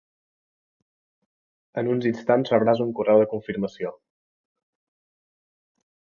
En uns instants rebràs un correu de confirmació.